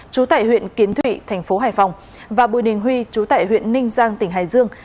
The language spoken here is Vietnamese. chú tệ huyện kiến thụy thành phố hải phòng và bùi đình huy chú tệ huyện ninh giang tỉnh hải dương